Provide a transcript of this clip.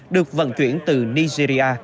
được vận chuyển từ nigeria